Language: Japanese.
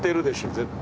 絶対。